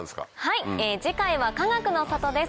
はい次回はかがくの里です。